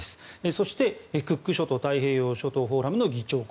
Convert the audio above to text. そして、クック諸島太平洋諸島フォーラムの議長国。